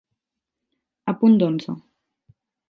A punt d'onze.